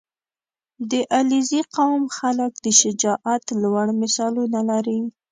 • د علیزي قوم خلک د شجاعت لوړ مثالونه لري.